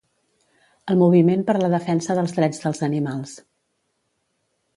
El moviment per la defensa dels drets dels animals.